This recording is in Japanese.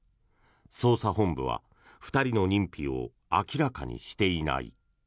捜査本部は２人の認否を明らかにしていない。